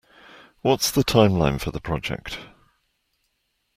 What's the timeline for the project?